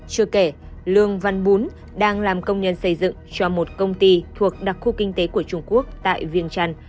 chưa kể lương văn bún đang làm công nhân xây dựng cho một công ty thuộc đặc khu kinh tế của trung quốc tại viêng trăn